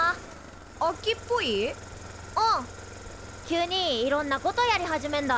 急にいろんなことやり始めんだ。